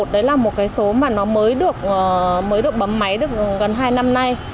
một trăm một mươi một đấy là một số mà nó mới được bấm máy được gần hai năm nay